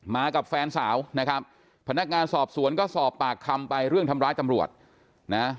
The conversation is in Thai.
มากับแฟนสาวนะครับพนักงานสอบสวนก็สอบปากคำไปเรื่องทำร้ายตำรวจนะ